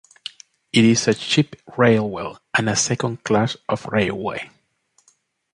It is a cheap railway and a second class of railway.